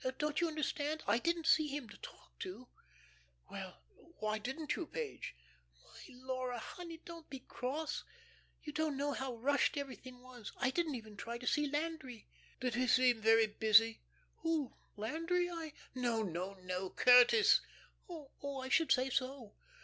Don't you understand, I didn't see him to talk to." "Well, why didn't you, Page?" "Why, Laura, honey, don't be cross. You don't know how rushed everything was. I didn't even try to see Landry." "Did he seem very busy?" "Who, Landry? I " "No, no, no, Curtis." "Oh, I should say so.